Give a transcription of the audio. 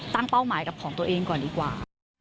เป้าหมายกับของตัวเองก่อนดีกว่า